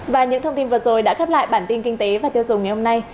và những thông tin vừa rồi đã khép lại bản tin kinh tế và tiêu dùng ngày hôm nay